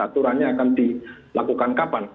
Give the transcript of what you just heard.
aturannya akan dilakukan kapan